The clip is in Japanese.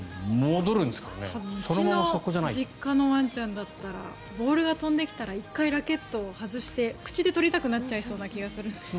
うちの実家のワンちゃんだったらボールが来たら１回ラケットを外して口で取りたくなっちゃう気がするんですが。